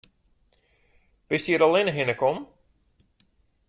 Bist hjir allinne hinne kommen?